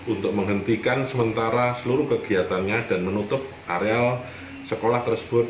untuk menghentikan sementara seluruh kegiatannya dan menutup areal sekolah tersebut